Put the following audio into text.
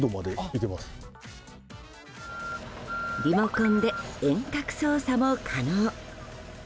リモコンで遠隔操作も可能。